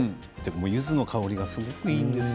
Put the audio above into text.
ゆずの香りがすごくいいんですよ